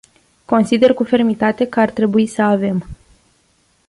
Consider cu fermitate că ar trebui să avem.